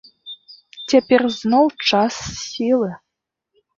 Цяпер зноў час сілы.